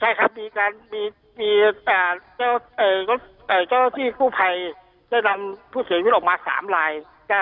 ใช่ครับมีเจ้าหน้าที่กู้ภัยได้นำผู้เสียชีวิตออกมา๓ลาย